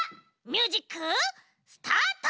ミュージックスタート！